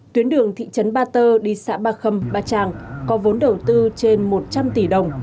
tuyến đường thị trấn ba tơ đi xã ba khâm ba trang có vốn đầu tư trên một trăm linh tỷ đồng